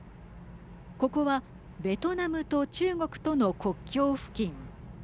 ここはベトナムと中国との国境付近。